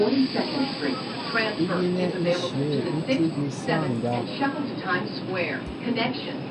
Ígínɛ́ íshyə̂ í tí ígí sááŋ ndáp.